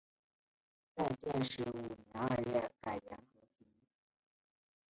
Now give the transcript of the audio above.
在建始五年二月改元河平。